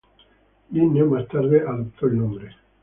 Linneo más tarde adoptó el nombre.